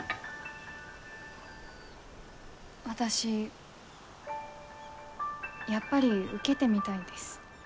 私やっぱり受けてみたいです。